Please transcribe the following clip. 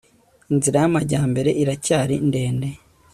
inzira y'amajyambere iracyari ndende